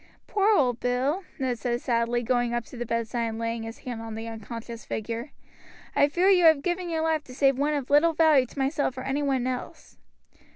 "Poor old Bill," Ned said sadly, going up to the bedside and laying his hand on the unconscious figure. "I fear you have given your life to save one of little value to myself or any one else."